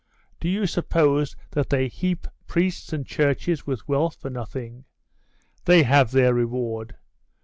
Do you suppose that they heap priests and churches with wealth for nothing? They have their reward.